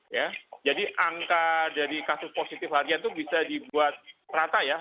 ya jadi angka dari kasus positif harian itu bisa dibuat rata ya